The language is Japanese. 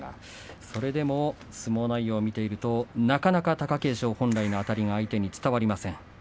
それでも相撲内容を見ているとなかなか貴景勝本来のあたりが相手に伝わりません。